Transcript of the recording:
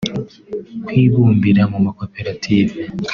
kwibumbira mu makoperative